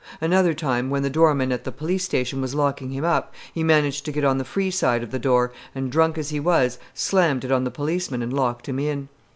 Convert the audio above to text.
Another time, when the doorman at the police station was locking him up, he managed to get on the free side of the door, and, drunk as he was, slammed it on the policeman and locked him in.